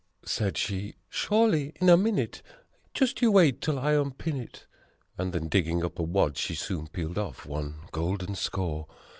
8 Said she, "Surely! In a minute just you wait till I unpin it." And then digging up a wad she soon peeled off one golden score.